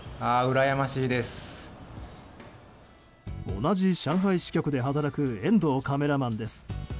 同じ上海支局で働く遠藤カメラマンです。